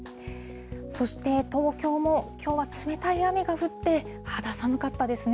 そして東京も、きょうは冷たい雨が降って、肌寒かったですね。